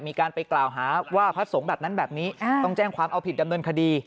มีการไปกล่าวหาว่าพระสงฆ์แบบนั้นแบบนี้ต้องแจ้งความเอาผิดดำเนินคดี